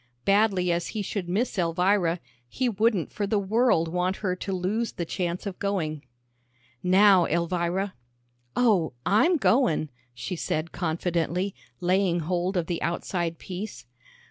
Badly as he should miss Elvira, he wouldn't for the world want her to lose the chance of going. "Now, Elvira." "Oh, I'm goin'," she said, confidently, laying hold of the outside piece.